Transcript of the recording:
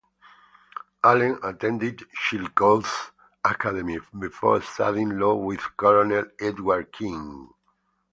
Allen attended Chillicothe Academy before studying law with Colonel Edward King.